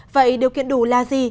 vậy điều kiện đủ là gì